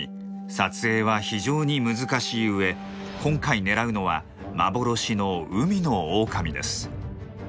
撮影は非常に難しいうえ今回狙うのは幻の海のオオカミです。